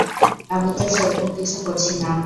আমি তো সেরকম কিছু করছি না!